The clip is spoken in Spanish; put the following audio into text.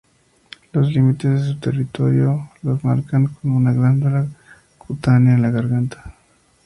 Los límites de su territorio los marcan con una glándula cutánea en la garganta.